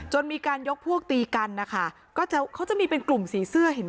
มีการยกพวกตีกันนะคะก็จะเขาจะมีเป็นกลุ่มสีเสื้อเห็นไหม